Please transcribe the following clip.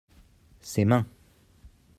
ses mains.